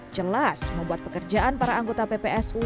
jelas membuat pekerjaan para anggota ppsu